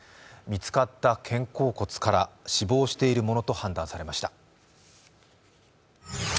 見つかった肩甲骨から死亡しているものと判断されました。